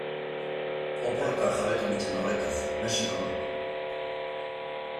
Oporretan jabetu nintzen horretaz, Mexikon.